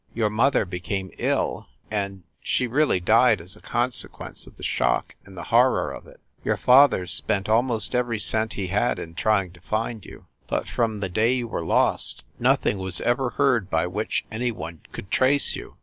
Your mother became ill, and she really died as a conse quence of the shock and the horror of it. Your father spent almost every cent he had in trying to find you but from the day you were lost nothing was ever heard by which any one could trace you.